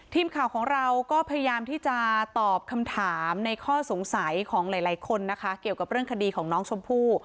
ทีมข่าวของเราก็พยายามที่จะตอบคำถามในข้อสงสัยของหลายคนนะคะเกี่ยวกับเรื่องคดีของน้องชมพู่